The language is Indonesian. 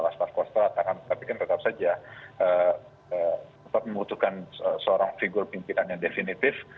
klas klas klas terat tapi kan tetap saja membutuhkan seorang figur pimpinan yang definitif